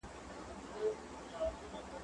کېدای سي ليکلي پاڼي ګډ وي!